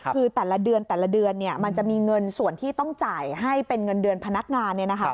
คือแต่ละเดือนแต่ละเดือนมันจะมีเงินส่วนที่ต้องจ่ายให้เป็นเงินเดือนพนักงาน